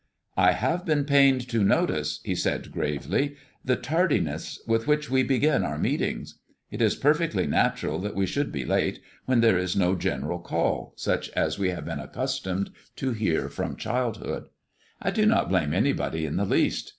"I have been pained to notice," he said gravely, "the tardiness with which we begin our meetings. It is perfectly natural that we should be late, when there is no general call, such as we have been accustomed to hear from childhood. I do not blame anybody in the least.